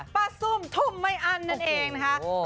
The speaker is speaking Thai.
ซุ่มทุ่มไม่อั้นนั่นเองนะคะ